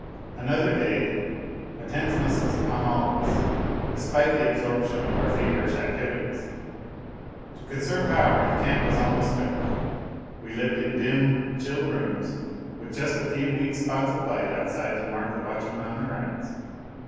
Another day. A tenseness was upon all of us, despite the absorption of our feverish activities. To conserve power, the camp was almost dark, we lived in dim, chill rooms, with just a few weak spots of light outside to mark the watchmen on their rounds.